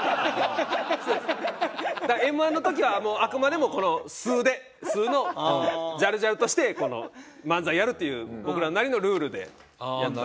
だからＭ−１の時はあくまでも素で素のジャルジャルとして漫才やるっていう僕らなりのルールでやってた。